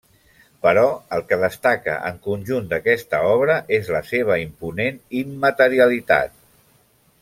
Però el que destaca en conjunt d'aquesta obra és la seva imponent immaterialitat.